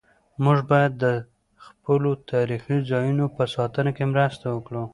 موږ باید د خپلو تاریخي ځایونو په ساتنه کې مرسته وکړو.